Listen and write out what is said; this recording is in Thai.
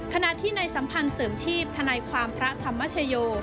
ขณะที่ในสัมพันธ์เสริมชีพธนายความพระธรรมชโย